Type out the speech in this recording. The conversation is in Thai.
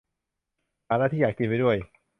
หาร้านที่อยากกินไว้ด้วย